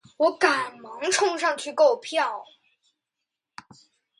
我赶忙冲上去购票